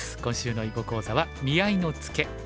今週の囲碁講座は「見合いのツケ」。